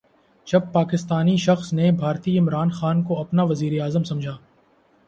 جب پاکستانی شخص نے بھارتی عمران خان کو اپنا وزیراعظم سمجھا